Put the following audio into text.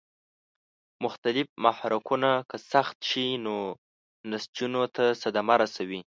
مختلف محرکونه که سخت شي نو نسجونو ته صدمه رسوي.